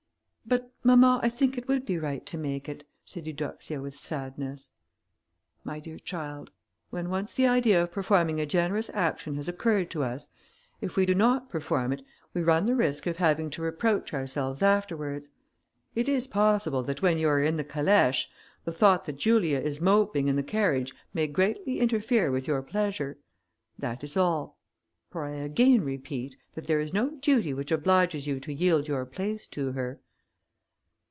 "But, mamma, I think it would be right to make it," said Eudoxia, with sadness. "My dear child, when once the idea of performing a generous action has occurred to us, if we do not perform it we run the risk of having to reproach ourselves afterwards. It is possible that when you are in the calèche, the thought that Julia is moping in the carriage may greatly interfere with your pleasure: that is all; for I again repeat, that there is no duty which obliges you to yield your place to her."